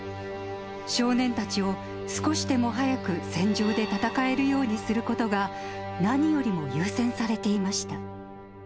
少年たちを少しでも早く戦場で戦えるようにすることが、何よりも優先されていました。